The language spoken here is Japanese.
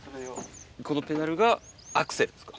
このペダルがアクセルですか。